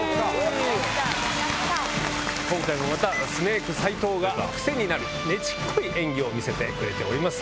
今回もまたスネーク斉藤が癖になるねちっこい演技を見せてくれております。